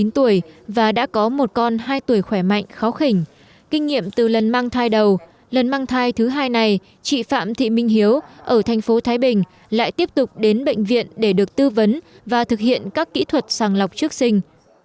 một mươi chín tuổi và đã có một con hai tuổi khỏe mạnh khó khỉnh kinh nghiệm từ lần mang thai đầu lần mang thai thứ hai này chị phạm thị minh hiếu ở thành phố thái bình lại tiếp tục đến bệnh viện để được tư vấn và thực hiện các kỹ thuật sàng lọc trước sinh